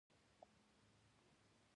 کېله د سترګو رڼا زیاتوي.